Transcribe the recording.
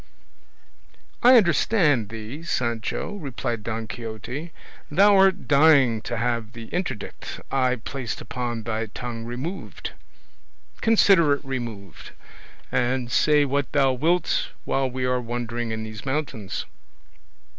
"I understand thee, Sancho," replied Don Quixote; "thou art dying to have the interdict I placed upon thy tongue removed; consider it removed, and say what thou wilt while we are wandering in these mountains."